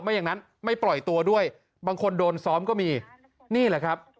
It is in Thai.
อย่างนั้นไม่ปล่อยตัวด้วยบางคนโดนซ้อมก็มีนี่แหละครับ